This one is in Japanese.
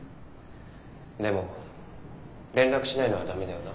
でも連絡しないのはダメだよな？